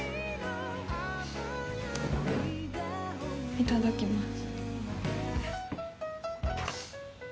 いただきます